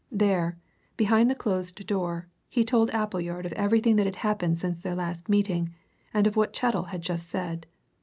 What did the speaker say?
There, behind the closed door, he told Appleyard of everything that had happened since their last meeting, and of what Chettle had just said.